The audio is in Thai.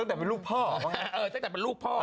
ตั้งแต่เป็นลูกพ่อ